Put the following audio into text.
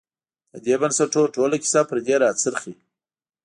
د دې بنسټونو ټوله کیسه پر دې راڅرخي.